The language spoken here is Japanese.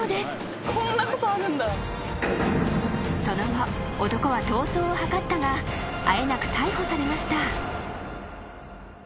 ［その後男は逃走を図ったがあえなく逮捕されました］